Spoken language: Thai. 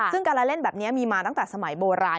ซึ่งการเล่นแบบนี้มีมาตั้งแต่สมัยโบราณ